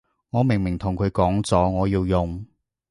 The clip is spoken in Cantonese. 我明明同佢講咗我要用